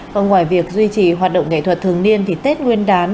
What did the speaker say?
còn ngoài việc duy trì hoạt động